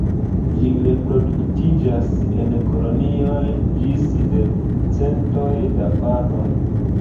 Ĝi reproduktiĝas en kolonioj ĝis de centoj da paroj.